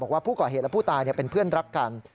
ว่าผู้ก่อเหตุและผู้ตายเป็นเพื่อนรักกัน